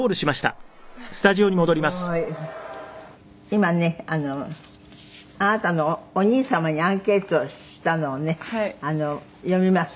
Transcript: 今ねあなたのお兄様にアンケートをしたのをね読みます。